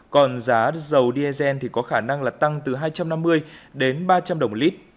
còn giá dầu diesel có khả năng tăng từ hai trăm năm mươi đến ba trăm linh đồng lít